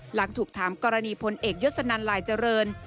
หลังถูกถามกรณีพลเอกยศนันลายเจริญ